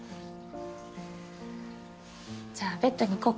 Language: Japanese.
じゃあベッドに行こうか。